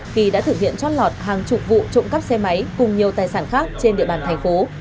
khi đã thực hiện trót lọt hàng chục vụ trộm cắp xe máy cùng nhiều tài sản khác trên địa bàn thành phố